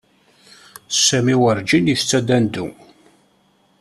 Sami werǧin isett adandu.